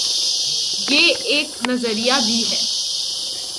یہ ایک نظریہ بھی ہے۔